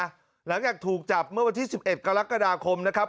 หลังจากถูกจับเมื่อวันที่๑๑กรกฎาคมนะครับ